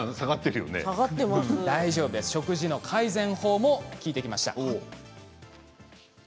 食事の改善法も聞いてきました。